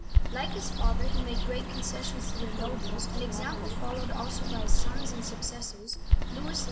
Like his father, he made great concessions to the nobles, an example followed also by his sons and suc cessors, Louis III.